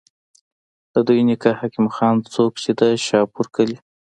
د دوي نيکۀ حکيم خان، څوک چې د شاهپور کلي